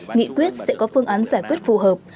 nghị quyết sẽ có phương án giải quyết phù hợp